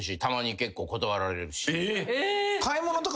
たまに結構断られるし。